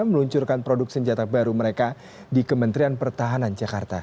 meluncurkan produk senjata baru mereka di kementerian pertahanan jakarta